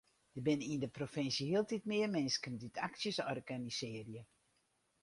Der binne yn de provinsje hieltyd mear minsken dy't aksjes organisearje.